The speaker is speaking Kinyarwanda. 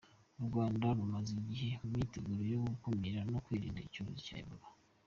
U Rwanda rumaze igihe mu myiteguro yo gukumira no kwirinda icyorezo cya Ebola.